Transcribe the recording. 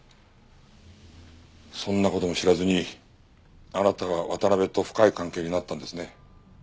そんな事も知らずにあなたは渡辺と深い関係になったんですね。